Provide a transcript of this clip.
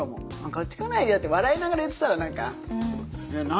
「こっち来ないでよ」って笑いながら言ってたら何か「何？」